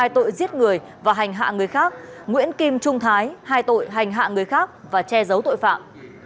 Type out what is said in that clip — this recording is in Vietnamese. hai tội giết người và hành hạ người khác nguyễn kim trung thái hai tội hành hạ người khác và che giấu tội phạm